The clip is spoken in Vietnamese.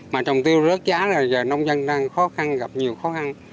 mà trồng tiêu rớt giá là giờ nông dân đang khó khăn gặp nhiều khó khăn